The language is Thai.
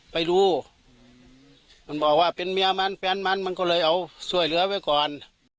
ไปดูมันบอกว่าเป็นเมียมันแฟนมันมันก็เลยเอาช่วยเหลือไว้ก่อน